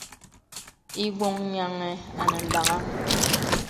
Ìwɔ̀ŋ nyìəŋə̀ ànə ndaŋaŋ.